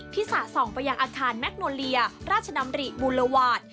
สะส่องไปยังอาคารแมคโนเลียราชดำริบูลวาส